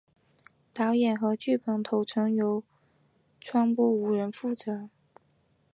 导演和剧本统筹由川波无人负责。